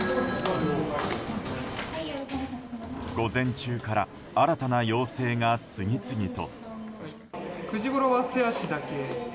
午前中から新たな要請が次々と。